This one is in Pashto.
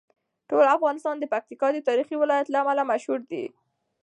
ټول افغانستان د پکتیکا د تاریخي ولایت له امله مشهور دی.